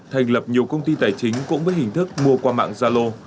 thành lập nhiều công ty tài chính cũng với hình thức mua qua mạng gia lô